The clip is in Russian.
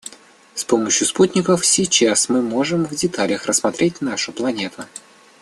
С помощью спутников сейчас мы можем в деталях рассмотреть нашу планету.